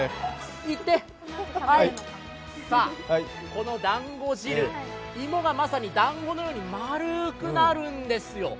このだんご汁、芋がまさにだんごのように丸くなるんですよ。